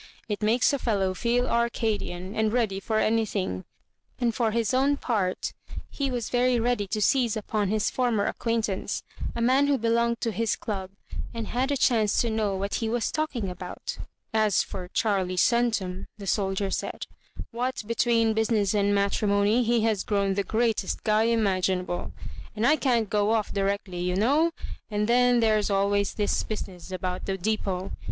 It makes a fellow feel Arcadian, and ready for anything ;" and for his own part he was very ready to seize upon his former ac quaintance, a man who belonged to his club, and had a chance to know what he was talking about " As for Charlie Centum," the soldier said, " what l^tween business and matrimony, he has grown the greatest guy imaginable ; and I can't go off directly, you know ; and then there's always this business about the dep6t.